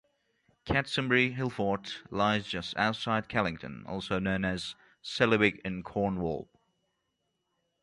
Cadsonbury hillfort lies just outside Callington, also known as Celliwig in Cornwall.